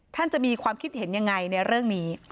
ท่านจะมีความคิดเห็นยังไงในเรื่องนี้